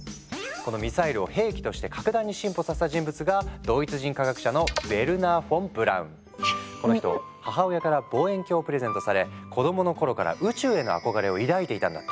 このミサイルを兵器として格段に進歩させた人物がこの人母親から望遠鏡をプレゼントされ子供の頃から宇宙への憧れを抱いていたんだって。